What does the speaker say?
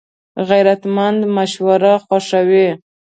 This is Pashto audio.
غیرتمند مشوره خوښوي